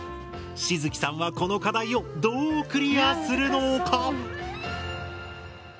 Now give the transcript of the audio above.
しづきさんはこの課題をどうクリアするのか？